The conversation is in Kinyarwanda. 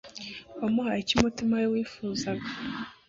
Wamuhaye icyo umutima we wifuzaga